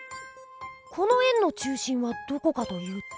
この円の中心はどこかというと。